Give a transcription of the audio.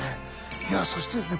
いやそしてですね